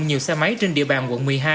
nhiều xe máy trên địa bàn quận một mươi hai